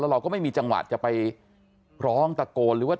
เราก็ไม่มีจังหวะจะไปร้องตะโกนหรือว่า